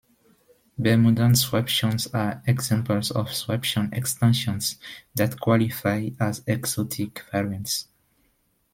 Bermudan swaptions are examples of swaption extensions that qualify as exotic variants.